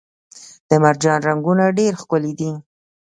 د مرجان رنګونه ډیر ښکلي دي